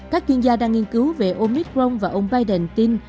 các chuyên gia đang nghiên cứu về omicron và ông biden tin